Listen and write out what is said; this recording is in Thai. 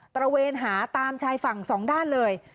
ระเวนหาตามชายฝั่งสองด้านเลย